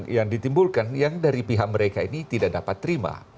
yang ditimbulkan yang dari pihak mereka ini tidak dapat terima